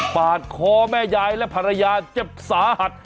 ปาดคอแม่ยายและภรรยาเจ็บสาหัส